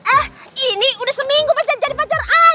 eh ini udah seminggu pacar jadi pacar i